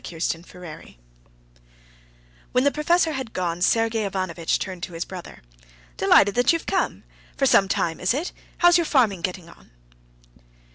Chapter 8 When the professor had gone, Sergey Ivanovitch turned to his brother. "Delighted that you've come. For some time, is it? How's your farming getting on?"